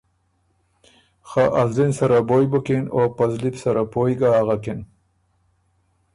خه ا زلی ن سره بویٛ بُکِن او په زلی بو سره پویٛ ګه اغکِن۔